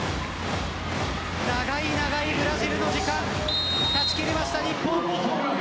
長い長いブラジルの時間断ち切りました日本。